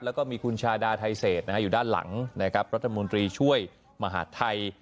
แล้วก็มีคุณชาดาไทเศษอยู่ด้านหลังนะครับรัฐมนตรีช่วยมหาดไทย